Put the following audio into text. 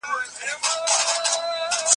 معلومات په سمه توګه وکاروئ.